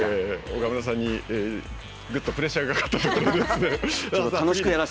岡村さんにプレッシャーがかかったところでですね。